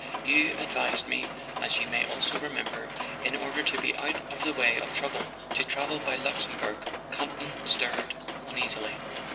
You advised me—as you may also remember—in order to be out of the way of trouble, to travel by Luxembourg," (Campton stirred uneasily).